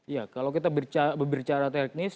ya kalau kita berbicara teknis